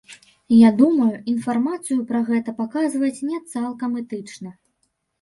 Я думаю, інфармацыю пра гэта паказваць не цалкам этычна.